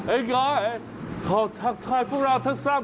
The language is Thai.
เอ็งไงเขาทักทายพวกเราทั้งสามคน